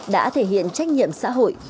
đã thể hiện trách nhiệm xã hội